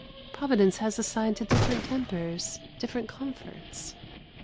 Providence has assigned to different tempers different comforts.